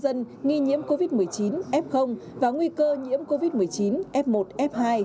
đây là phần mềm quản lý công dân nghi nhiễm covid một mươi chín f và nguy cơ nhiễm covid một mươi chín f một f hai